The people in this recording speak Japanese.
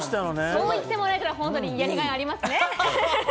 そう言ってもらえたら、本当にやりがいがありますね。